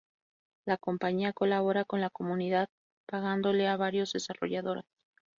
La compañía colabora con la comunidad pagándole a varios desarrolladores.